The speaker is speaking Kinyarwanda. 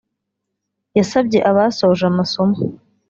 yasabye abasoje amasomo